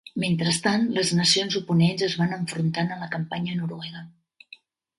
Mentrestant, las nacions oponents es van enfrontar a la campanya noruega.